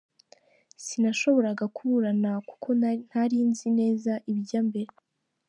Sinashoboraga kuburana kuko ntari nzi neza ibijya mbere.